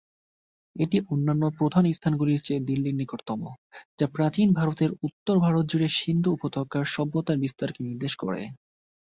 এটি অন্যান্য প্রধান স্থানগুলির চেয়ে দিল্লির নিকটতম, যা প্রাচীন ভারতের উত্তর ভারত জুড়ে সিন্ধু উপত্যকার সভ্যতার বিস্তারকে নির্দেশ করে।